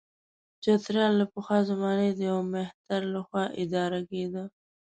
چترال له پخوا زمانې د یوه مهتر له خوا اداره کېده.